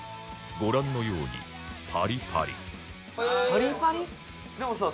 ご覧のようにパリパリでもさ